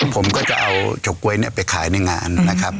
ผมก็จะเอาเฉาก๊วยไปขายในงานนะครับ